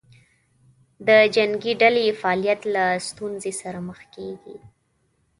د جنګې ډلې فعالیت له ستونزې سره مخ کېږي.